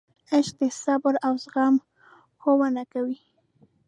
عشق د صبر او زغم ښوونه کوي.